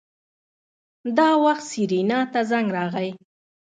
دا وخت سېرېنا ته زنګ راغی.